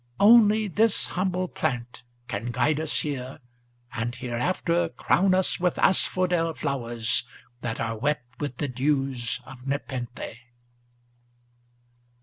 Only this humble plant can guide us here, and hereafter Crown us with asphodel flowers, that are wet with the dews of nepenthe."